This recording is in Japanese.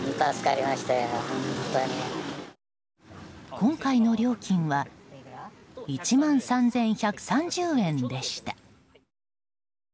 今回の料金は１万３１３０円でした。